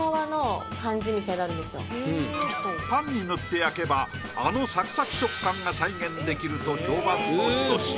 パンに塗って焼けばあのサクサク食感が再現できると評判のひと品。